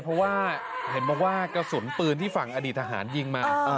เพราะว่ากระสุนปืนที่ฝั่งอดีตทหารยิงมา